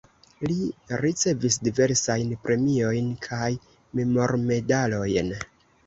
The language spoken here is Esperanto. Li ricevis diversajn premiojn kaj memormedalojn.